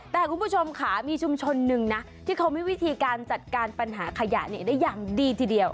แต่คุณผู้ชมค่ะมีชุมชนหนึ่งนะที่เขามีวิธีการจัดการปัญหาขยะได้อย่างดีทีเดียว